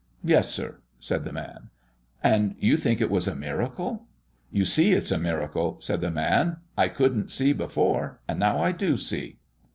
"Yes, sir," said the man. "And you think it was a miracle?" "You see it's a miracle," said the man. "I couldn't see before, and now I do see."